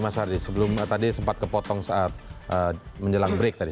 mas ardi sebelum tadi sempat kepotong saat menjelang break tadi